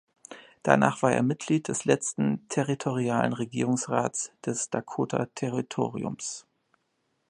Danach war er Mitglied des letzten territorialen Regierungsrats des Dakota-Territoriums.